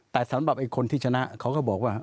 แต่สำหรับไอ้คนที่ชนะเขาก็บอกว่า